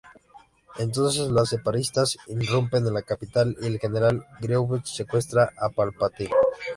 Entonces los separatistas irrumpen en la capital y el General Grievous secuestra a Palpatine.